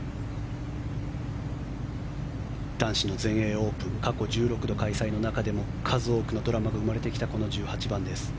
男子の全英オープン過去１６度開催の中でも数多くのドラマが生まれてきたこの１８番です。